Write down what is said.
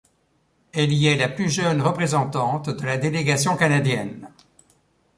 Elle y est la plus jeune représentante de la délégation canadienne.